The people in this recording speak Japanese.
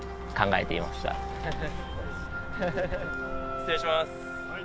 失礼します。